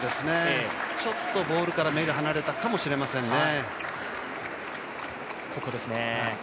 ちょっとボールから目が離れたかもしれませんね。